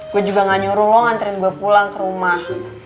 gue juga gak nyuruh lo nganterin gue pulang ke rumah